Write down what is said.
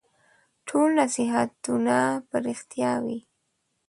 ټول نصیحتونه به رېښتیا وي ؟